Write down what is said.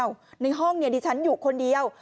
ในห้องเนี่ยดิฉันอยู่คนเดียว